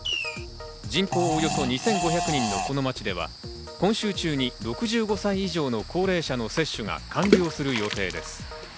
人口およそ２５００人のこの町では、今週中に６５歳以上の高齢者の接種が完了する予定です。